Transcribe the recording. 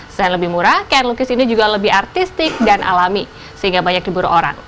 selain lebih murah kain lukis ini juga lebih artistik dan alami sehingga banyak diburu orang